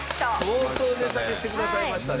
相当値下げしてくださいましたね。